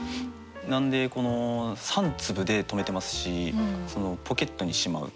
なんでこの「三粒」で止めてますしその「ポケットにしまう」。